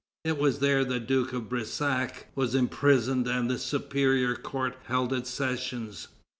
(It was there the Duke de Brissac was imprisoned and the Superior Court held its sessions.)